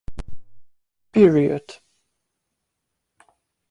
Period.